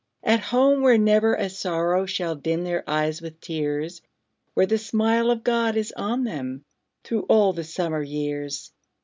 At home, where never a sorrow Shall dim their eyes with tears! Where the smile of God is on them Through all the summer years!